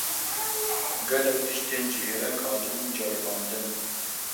Gelek tiştên cihêreng hatibûn ceribandin